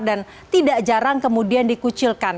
dan tidak jarang kemudian dikucilkan